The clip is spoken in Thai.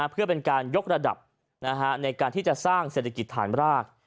เพื่อเป็นการยกระดับในการที่จะสร้างเศรษฐกิจฐานราก